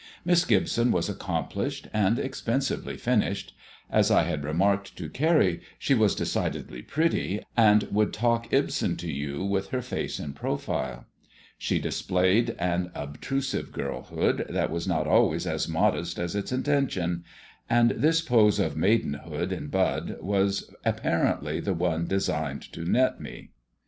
Miss Gibson was accomplished, and expensively finished. As I had remarked to Carrie, she was decidedly pretty, and would talk Ibsen to you with her face in profile. She displayed an obtrusive girlhood that was not always as modest as its intention, and this pose of maidenhood in bud was apparently the one designed to net me.